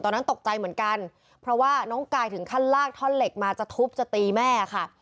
ตอนนั้นตกใจเหมือนกันเพราะว่าน้องกายถึงขั้นลากท่อนเหล็กมาจะทุบจะตีแม่ค่ะ